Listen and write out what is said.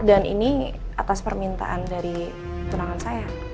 dan ini atas permintaan dari tunangan saya